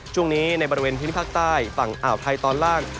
ช่วงนี้ในบริเวณที่นี่ภาคใต้ฝั่งอาวไทยตอนล่าง